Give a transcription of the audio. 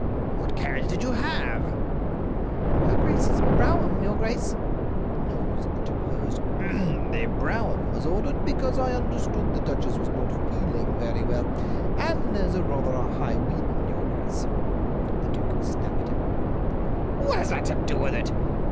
"What carriage did you have?" "Her grace's brougham, your grace." Knowles interposed: "The brougham was ordered because I understood that the duchess was not feeling very well, and there's rather a high wind, your grace." The duke snapped at him: "What has that to do with it?